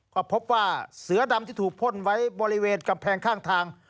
ก็พบว่าเสือดำที่ถูกพ่นไว้บริเวณกำแพงข้างทาง